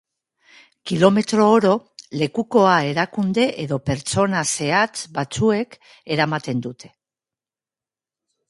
Kilometro oro, lekukoa erakunde edo pertsona zehatz batzuek eramaten dute.